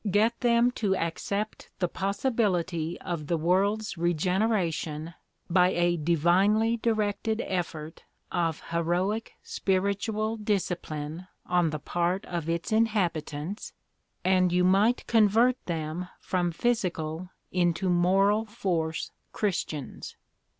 Get them to accept, the possibility of the world's regeneration by a divinely directed effort of heroic spiritual discipline on the part of its inhabitants, and you might convert them from 'physical' into 'moral force' Christians.